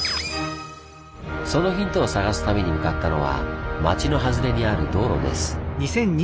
そのヒントを探すために向かったのは町の外れにある道路です。